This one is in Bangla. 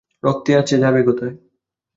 রক্তে আছে, যাবে কোথায়?